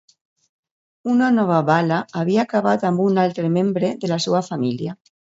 Una nova bala havia acabat amb un altre membre de la seua família.